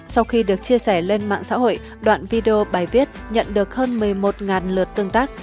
sau khi được chia sẻ lên mạng xã hội đoạn video bài viết nhận được hơn một mươi một lượt tương tác